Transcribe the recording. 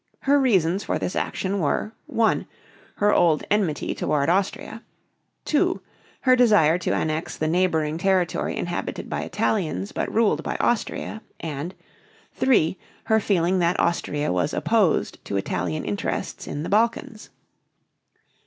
Her reasons for this action were: (1) her old enmity toward Austria; (2) her desire to annex the neighboring territory inhabited by Italians, but ruled by Austria; and (3) her feeling that Austria was opposed to Italian interests in the Balkans.